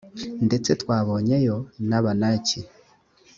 ndetse twabonyeyo n’abanaki!